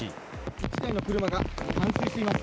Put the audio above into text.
１台の車が冠水しています。